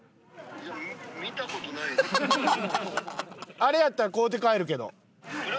あれやったら買うて帰るけど。